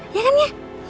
ya kan ya